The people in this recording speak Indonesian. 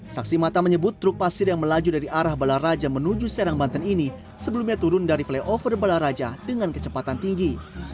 saksi mata menyebut truk pasir yang melaju dari arah balaraja menuju serang banten ini sebelumnya turun dari flyover balaraja dengan kecepatan tinggi